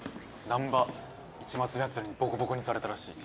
難破市松のやつらにボコボコにされたらしい。